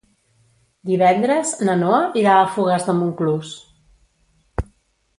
Divendres na Noa irà a Fogars de Montclús.